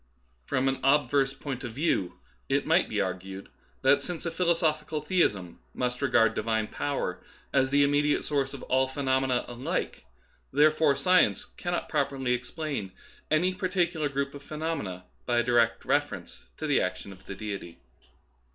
From an obverse point of view it might be ar gued that since a philosophical theism must regard Divine power as the immediate source of all phe nomena alike, therefore science cannot properly explain any particular group of phenomena by a direct reference to the action of Deity.